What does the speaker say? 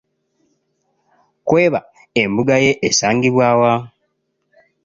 Kkweba embuga ye esangibwa wa?